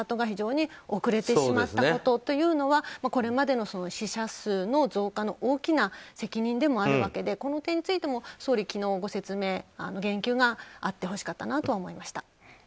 非常に遅れてしまったことはこれまでの死者数の増加の大きな責任でもあるわけでこの点についても総理、昨日ご説明、言及があってほしかったなと思いました。